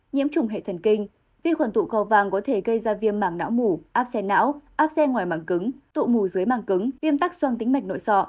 nhiễm trùng hệ thần kinh vi khuẩn tụ cầu vang có thể gây ra viêm mảng não mủ áp xe não áp xe ngoài mảng cứng tụ mù dưới mảng cứng viêm tắc xoang tính mạch nội sọ